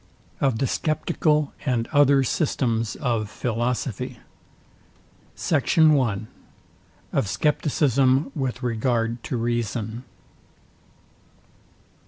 OF THE SCEPTICAL AND OTHER SYSTEMS OF PHILOSOPHY. SECT. I. OF SCEPTICISM WITH REGARD TO REASON.